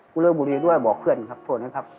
เรื่องบุรีด้วยบอกเพื่อนครับโทษนะครับ